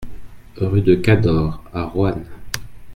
Rue de Cadore à Roanne